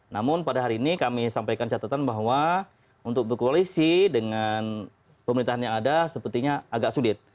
namun pada hari ini kami sampaikan catatan bahwa untuk berkoalisi dengan pemerintahan yang ada sepertinya agak sulit